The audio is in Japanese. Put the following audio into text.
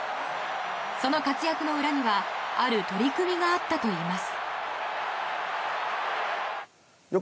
その活躍の裏にはある取り組みがあったといいます。